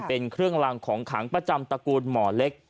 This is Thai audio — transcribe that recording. เป็นเครื่องรางของขังประจำตระกูลหมอเล็ก